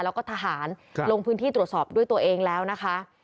แล้วก็ทหารลงพื้นที่ตรวจสอบด้วยตัวเองแล้วนะคะ